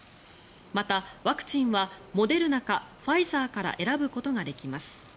またワクチンはモデルナかファイザーから選ぶことができます。